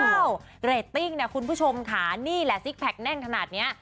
เรตติ้งนะคุณผู้ชมค่ะนี่แหละซิกแพคแน่นขนาดนี้